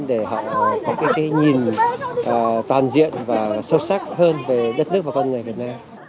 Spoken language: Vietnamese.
để họ có cái nhìn toàn diện và sâu sắc hơn về đất nước và con người việt nam